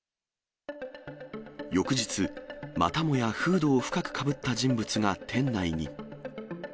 翌日、またもやフードを深くかぶった人物が店内に。